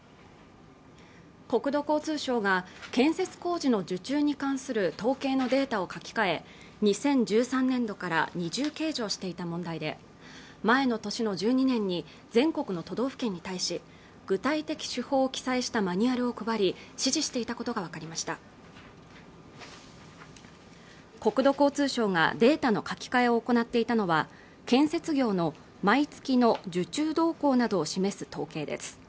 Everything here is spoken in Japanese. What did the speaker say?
国土交通省が建設工事の受注に関する統計のデータを書き換え２０１３年度から二重計上していた問題で前の年の１２年に全国の都道府県に対し具体的手法を記載したマニュアルを配り指示していたことが分かりました国土交通省がデータの書き換えを行っていたのは建設業の毎月の受注動向などを示す統計です